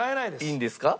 いいんですか？